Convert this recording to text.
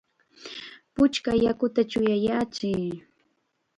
¡Puchka yakuta chuyayachiy!